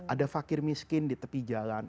ada fakir miskin di tepi jalan